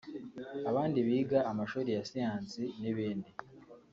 abandi biga amashuri ya siyansi n’ibindi